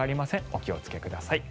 お気をつけください。